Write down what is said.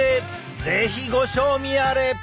是非ご賞味あれ！